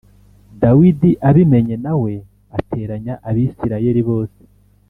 Dawidi abimenye na we ateranya Abisirayeli bose